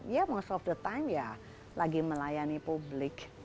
ya most of the time ya lagi melayani publik